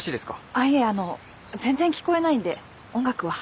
あいえあの全然聞こえないんで音楽は。